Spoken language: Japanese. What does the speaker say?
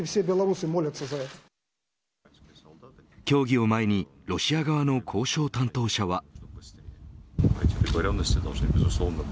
協議を前にロシア側の交渉担当者は。